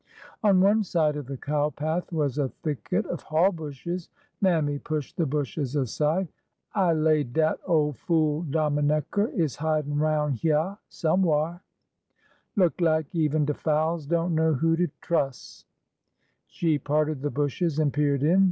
On one side of the cow path was a thicket of haw bushes. Mammy pushed the bushes aside. '' I lay dat ole fool " Dominecker " is hidin' roun' hyeah somewhar. Look lak even de fowls don't know who to trus'." She parted the bushes and peered in.